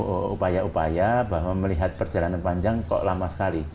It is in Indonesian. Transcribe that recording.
ada upaya upaya bahwa melihat perjalanan panjang kok lama sekali